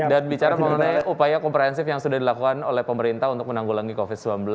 dan bicara mengenai upaya komprehensif yang sudah dilakukan oleh pemerintah untuk menanggulangi covid sembilan belas